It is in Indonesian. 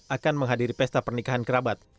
akan menghadiri pesta pernikahan kerabat